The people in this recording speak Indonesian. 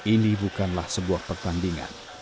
ini bukanlah sebuah pertandingan